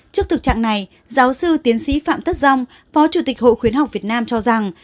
trước thực trạng này giáo sư tiến sĩ phạm tất dong phó chủ tịch hội khuyến học việt nam cho rằng